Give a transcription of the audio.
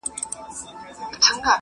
هدف او پلان د کامیابۍ بنسټ دی